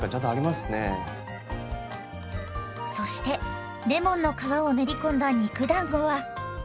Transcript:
そしてレモンの皮を練り込んだ肉だんごは？